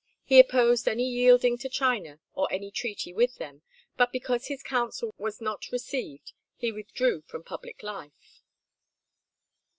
He opposed any yielding to China or any treaty with them, but because his counsel was not received he withdrew from public life.